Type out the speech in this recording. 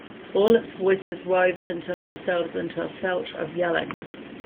All its voices wove into themselves into a felt of yelling.